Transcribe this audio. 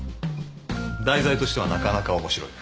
題材としてはなかなか面白い。